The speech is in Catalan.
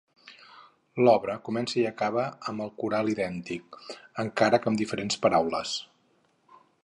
L'obra comença i acaba amb el coral idèntic, encara que amb diferents paraules.